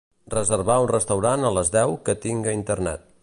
reservar un restaurant a les deu que tinga Internet